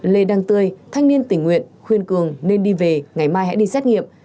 lê đăng tươi thanh niên tình nguyện khuyên cường nên đi về ngày mai hãy đi xét nghiệm